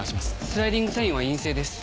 スライディングサインは陰性です。